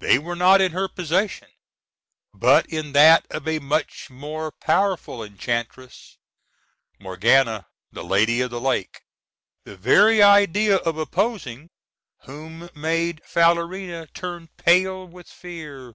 They were not in her possession, but in that of a much more powerful enchantress, Morgana, the Lady of the Lake, the very idea of opposing whom made Falerina turn pale with fear.